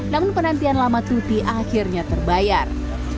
namun penantian lama tuti akhirnya terbayar